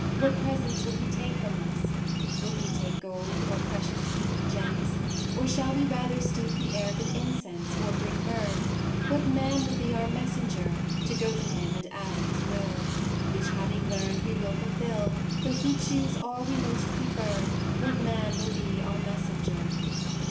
What presents will He take from us ? Will He take Gold ? or precious heap Of gems ? or shall we rather steep The air with incense ? or bring myrrh ? What man will be our messenger To go to Him and ask His Will ? Which having learned, we will fulfil, Though He choose all we most prefer : What man will be our messenger